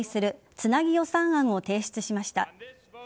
つなぎ予算案を提出しました。